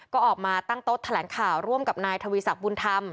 ก็ออกมาตั้งตอดแถลงข่าวร่วมกับนายทวีศัพท์บูรดาม